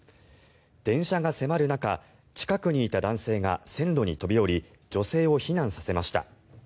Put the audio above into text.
電車が迫る中近くにいた男性が線路に飛び降り女性を避難させました。